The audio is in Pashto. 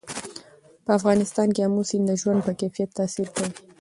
په افغانستان کې آمو سیند د ژوند په کیفیت تاثیر کوي.